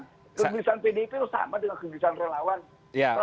kegelisahan pdip itu sama dengan kegelisahan relawan